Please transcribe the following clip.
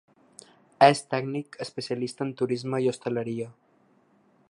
És tècnic especialista en Turisme i Hostaleria.